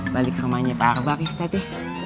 balik ke rumahnya pak arbak ya setetih